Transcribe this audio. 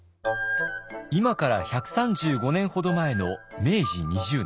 今から１３５年ほど前の明治２０年。